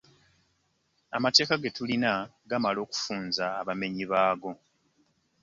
Amateeka ge tulina gamala okufunza abamenyi baago.